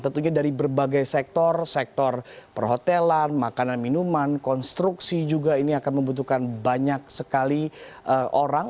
tentunya dari berbagai sektor sektor perhotelan makanan minuman konstruksi juga ini akan membutuhkan banyak sekali orang